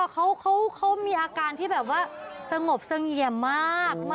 เขามีอาการที่แบบว่าสงบเสงี่ยมมาก